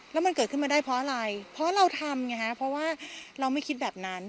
แล้วมันเกิดขึ้นมาได้เพราะอะไรเพราะเราทำไงฮะเพราะว่าเราไม่คิดแบบนั้น